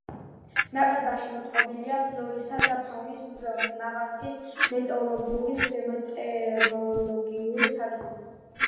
ნაკრძალში მოწყობილია ფლორისა და ფაუნის მუზეუმი, მაღალმთის მეტეოროლოგიური სადგური.